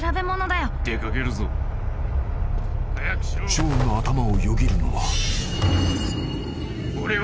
［ショーンの頭をよぎるのは］